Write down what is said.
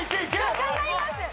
頑張ります。